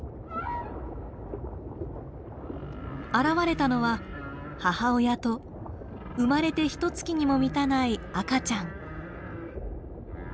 現れたのは母親と生まれてひとつきにも満たない赤ちゃん。